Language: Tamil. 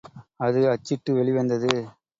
அது அச்சிட்டு வெளிவந்தது.